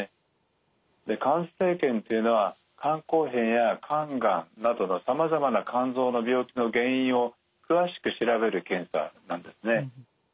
肝生検というのは肝硬変や肝がんなどのさまざまな肝臓の病気の原因を詳しく調べる検査なんですね。